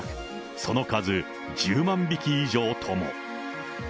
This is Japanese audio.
その数１０万匹以上とも。